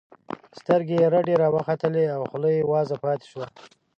سترګې یې رډې راوختلې او خوله یې وازه پاتې شوه